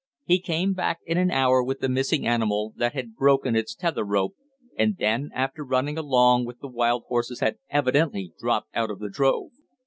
He came back in an hour with the missing animal, that had broken its tether rope and then, after running along with the wild horses had evidently dropped out of the drove.